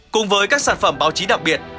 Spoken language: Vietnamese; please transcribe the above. cùng với các sản phẩm báo chí đặc biệt